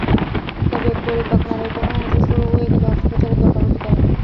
তবে পরিপাকনালির কোনো অংশ সরু হয়ে গেলে অস্ত্রোপচারের দরকার হতে পারে।